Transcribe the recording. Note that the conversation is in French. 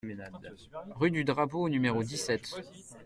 Rue du Drapeau au numéro dix-sept